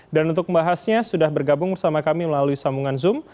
dan untuk membahasnya sudah bergabung bersama kami melalui sambungan zoom